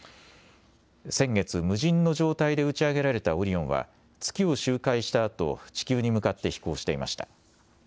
先月、無人の状態で打ち上げられたオリオンは、月を周回したあと、地球に向かって飛行していました。